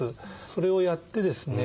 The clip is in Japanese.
それをやってですね